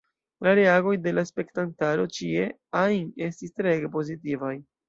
La reagoj de la spektantaro ĉie ajn estis treege pozitivaj.